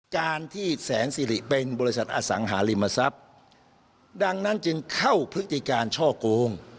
การที่แสนสิริเป็นบริษัทอสังหาริมทรัพย์ดังนั้นจึงเข้าพฤติการช่อโกง